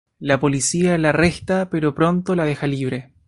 La policía la arresta, pero pronto la deja libre.